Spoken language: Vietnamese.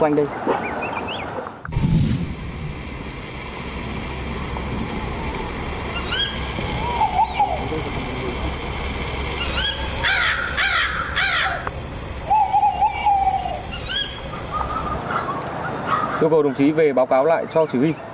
yêu cầu đồng chí về báo cáo lại cho chỉ huy